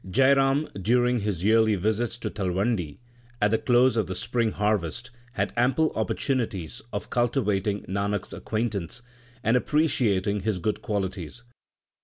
Jai Ram, during his yearly visits to Talwandi at the close of the spring harvest, had ample oppor tunities of cultivating Nanak s acquaintance, and appreciating his good qualities.